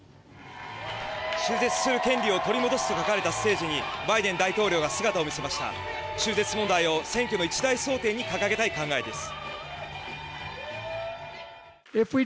中絶する権利を取り戻すと書かれたステージにバイデン大統領が姿を見せました中絶問題を選挙の一大争点に掲げたい考えです。